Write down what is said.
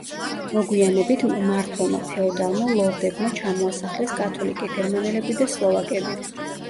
მოგვიანებით, მმართველმა ფეოდალმა ლორდებმა ჩამოასახლეს კათოლიკე გერმანელები და სლოვაკები.